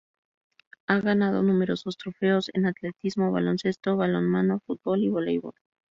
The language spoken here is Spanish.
Ha ganado numerosos trofeos en atletismo, baloncesto, balonmano, fútbol, y voleibol.